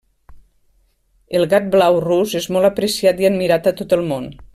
El gat blau rus és molt apreciat i admirat a tot el món.